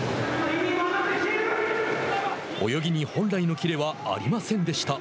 泳ぎに本来の切れはありませんでした。